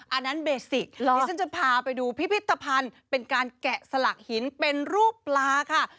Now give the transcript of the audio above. อันนั้นเบสิกดิฉันจะพาไปดูพิพิธภัณฑ์เป็นการแกะสลักหินเป็นรูปปลาค่ะ